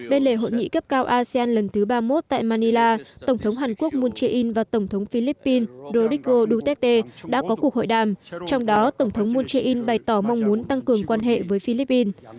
bên lề hội nghị cấp cao asean lần thứ ba mươi một tại manila tổng thống hàn quốc moon jae in và tổng thống philippines rodrigo duterte đã có cuộc hội đàm trong đó tổng thống moon jae in bày tỏ mong muốn tăng cường quan hệ với philippines